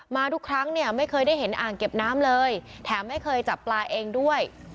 ทุกครั้งเนี่ยไม่เคยได้เห็นอ่างเก็บน้ำเลยแถมไม่เคยจับปลาเองด้วย